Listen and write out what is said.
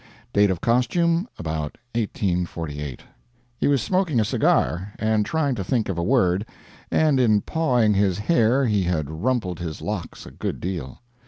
Date of costume about 1848. He was smoking a cigar, and trying to think of a word, and in pawing his hair he had rumpled his locks a good deal.